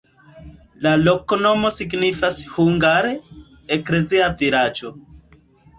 La loknomo signifas hungare: eklezia-vilaĝo.